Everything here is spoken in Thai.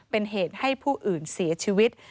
เป็นเหตุให้ผู้อื่นเสียชีวิต